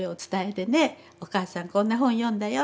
お母さんこんな本読んだよ